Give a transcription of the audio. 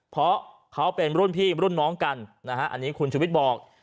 เพราะเขาเป็นรุ่นพี่รุ่นน้องกันนะฮะอันนี้คุณชุวิตบอก